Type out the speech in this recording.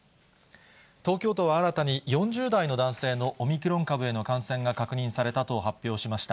東京都は新たに４０代の男性のオミクロン株への感染が確認されたと発表しました。